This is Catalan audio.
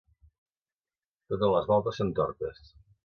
Totes les voltes són tortes.